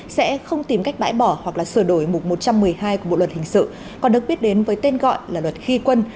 sẽ không tìm cách bãi bỏ hoặc sửa đổi mục một trăm một mươi hai của bộ luật hình sự còn được biết đến với tên gọi là luật khi quân